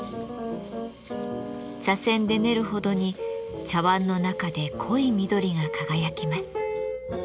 茶せんで練るほどに茶わんの中で濃い緑が輝きます。